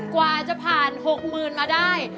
กว่าจะผ่านหกหมื่นมาได้